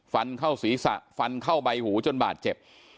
ฟันเข้าศีรษะฟันเข้าใบหูจนบาดเจ็บ